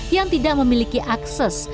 yang tidak memiliki akses